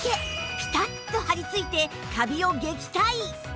ピタッと張りついてカビを撃退！